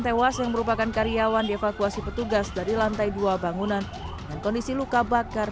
tewas yang merupakan karyawan dievakuasi petugas dari lantai dua bangunan dengan kondisi luka bakar